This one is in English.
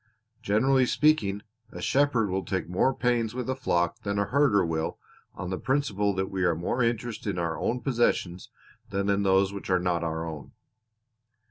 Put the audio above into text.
Generally speaking, a shepherd will take more pains with a flock than a herder will on the principle that we are more interested in our own possessions than in those which are not our own."